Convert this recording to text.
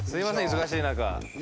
忙しい中。